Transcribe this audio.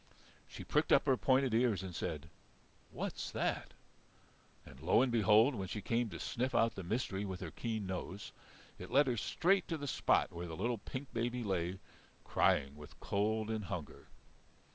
She pricked up her pointed ears and said, "What's that!" And lo and behold, when she came to sniff out the mystery with her keen nose, it led her straight to the spot where the little pink baby lay, crying with cold and hunger.